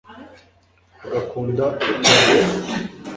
agakunda ubutabera